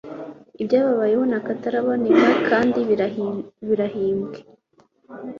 ibyababayeho ni akataraboneka kandi birahimbye